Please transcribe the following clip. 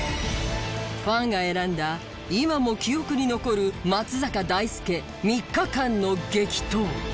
ファンが選んだ今も記憶に残る松坂大輔３日間の激闘。